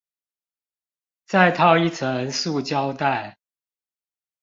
再套一層塑膠袋